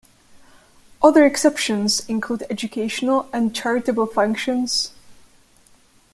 Other exceptions include educational and charitable functions...